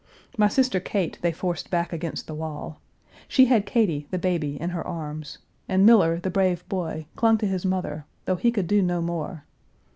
My sister Kate they forced back against the wall. She had Katie, the baby, in her arms, and Miller, the brave boy, clung to his mother, though he could do no more.